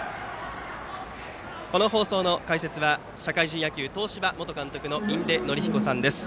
この放送の解説は社会人野球、東芝元監督の印出順彦さんです。